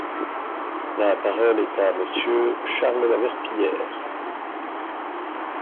La parole est à Monsieur Charles de la Verpillière.